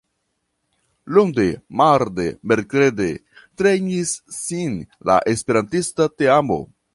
Lunde, marde, merkrede trejnis sin la esperantista teamo.